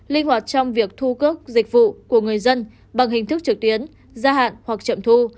linh hoạt trong việc thu cước dịch vụ của người dân bằng hình thức trực tuyến gia hạn hoặc chậm thu